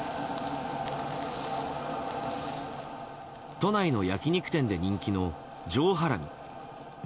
都内の焼き肉店で人気の上ハラミ。